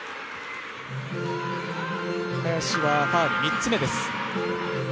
林はファウル３つ目です。